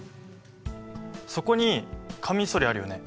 そこにカミソリあるよね？